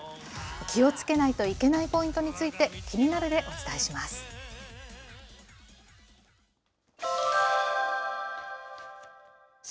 気をつけないといけないポイントについて、キニナル！でお伝えします。